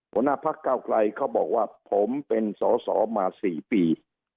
บพก้าวไกลเขาบอกว่าผมเป็นสสมาสี่ปี